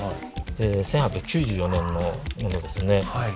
１８９４年のモノですね。